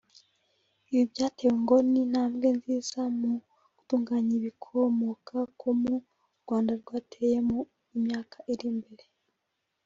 Ibi byatewe ngo n’intambwe nziza mu gutunganya ibikomoka ku mpu u Rwanda rwateye mu myaka ibiri ishize